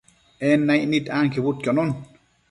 En naicnid anquebudquionon